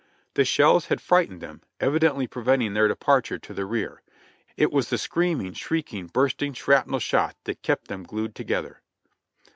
The shells had frightened them, evidently preventing their departure to the rear. It was the screaming, shrieking, bursting shrapnel shot that kept them glued together.